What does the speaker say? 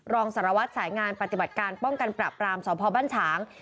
รองสารวัตรสายงานปฏิบัติการป้องกันปรับรามสพบ้านฉาง